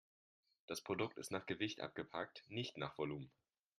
Das Produkt ist nach Gewicht abgepackt, nicht nach Volumen.